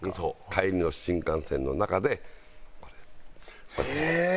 帰りの新幹線の中で「これ」って。ええー！